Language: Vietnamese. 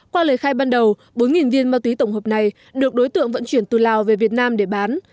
qua lời khai ban đầu bốn viên ma túy tổng hợp này được đối tượng vận chuyển từ lào về việt nam để bán